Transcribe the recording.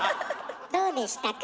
どうでしたか？